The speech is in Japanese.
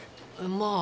まあ。